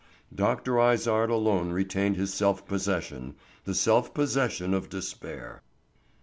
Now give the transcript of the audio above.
Dr. Izard alone retained his self possession, the self possession of despair.